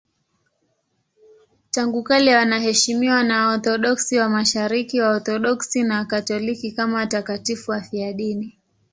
Tangu kale wanaheshimiwa na Waorthodoksi wa Mashariki, Waorthodoksi na Wakatoliki kama watakatifu wafiadini.